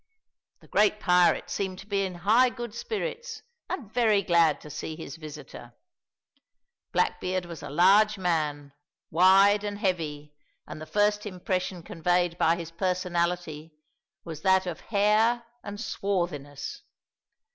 The great pirate seemed to be in high good spirits, and very glad to see his visitor. Blackbeard was a large man, wide and heavy, and the first impression conveyed by his personality was that of hair and swarthiness.